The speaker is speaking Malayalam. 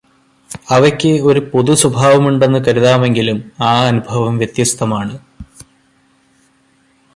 അവയ്ക്കു ഒരു പൊതുസ്വഭാവമുണ്ടെന്നു കരുതാമെങ്കിലും ആ അനുഭവം വ്യത്യസ്തമാണ്.